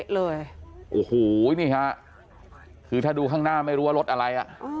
เลยโอ้โหนี่ฮะคือถ้าดูข้างหน้าไม่รู้ว่ารถอะไรอ่ะ